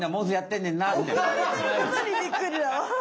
おくられてることにびっくりだわ！